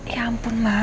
ya ampun ma